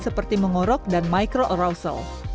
seperti mengorok dan microarousal